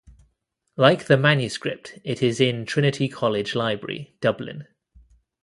Like the manuscript, it is in Trinity College Library, Dublin.